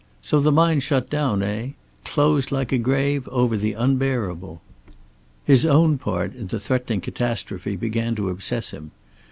So the mind shut down, eh? Closed like a grave over the unbearable! His own part in the threatening catastrophe began to obsess him.